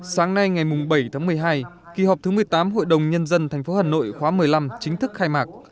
sáng nay ngày bảy tháng một mươi hai kỳ họp thứ một mươi tám hội đồng nhân dân tp hà nội khóa một mươi năm chính thức khai mạc